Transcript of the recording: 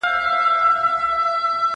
موسيقي د زهشوم له خوا اورېدلې کيږي!!